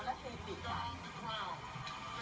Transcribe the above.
ข้อมูลเข้ามาดูครับ